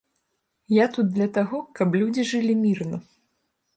Я тут для таго, каб людзі жылі мірна.